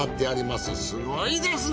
すごいですね！